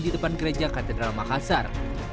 di depan gereja katedral makassar